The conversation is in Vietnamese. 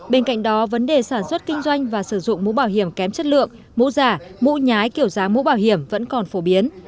bên cạnh đó vấn đề sản xuất kinh doanh và sử dụng mũ bảo hiểm kém chất lượng mũ giả mũ nhái kiểu giá mũ bảo hiểm vẫn còn phổ biến